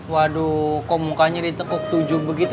waduh kok mukanya ditekuk tujuh begitu